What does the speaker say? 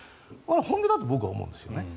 本気だと僕は思うんですよね。